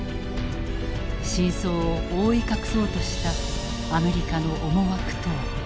真相を覆い隠そうとしたアメリカの思惑とは。